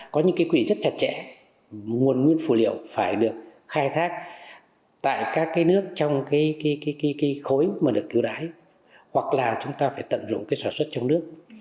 có những quỹ rất chặt chẽ nguồn nguyên phù liệu phải được khai thác tại các nước trong khối mà được cứu đái hoặc là chúng ta phải tận dụng sản xuất trong nước